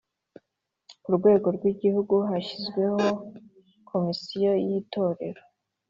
Ku rwego rw Igihugu hashyizweho Komisiyo yitorero